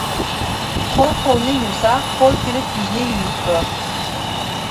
قول-قولنى يۇسا قول كېلىپ يۈزنى يۇيۇپتۇ.